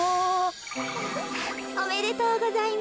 おめでとうございます。